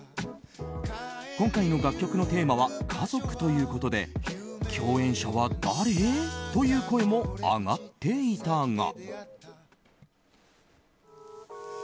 今回の楽曲のテーマは家族ということで共演者は誰？という声も上がっていたが。